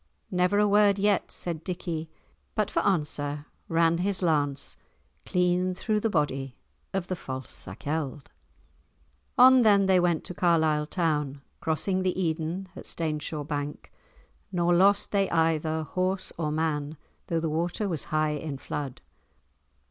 Never a word yet said Dickie, but for answer ran his lance clean through the body of the false Sakelde. On then they went to Carlisle town, crossing the Eden at Staneshaw bank, nor lost they either horse or man, though the water was high in flood.